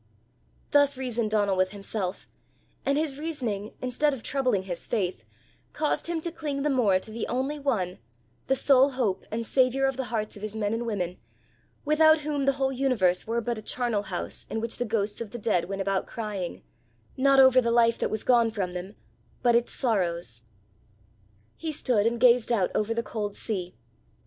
Thus reasoned Donal with himself, and his reasoning, instead of troubling his faith, caused him to cling the more to the only One, the sole hope and saviour of the hearts of his men and women, without whom the whole universe were but a charnel house in which the ghosts of the dead went about crying, not over the life that was gone from them, but its sorrows. He stood and gazed out over the cold sea.